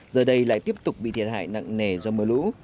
giờ đây lại tiếp tục bị thiệt hại nặng nề do mưa lũ